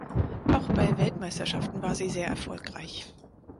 Auch bei Weltmeisterschaften war sie sehr erfolgreich.